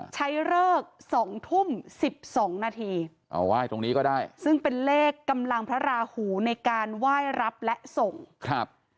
ใช้เลิกสองทุ่มสิบสองนาทีเอาไหว้ตรงนี้ก็ได้ซึ่งเป็นเลขกำลังพระราหูในการไหว้รับและส่งครับ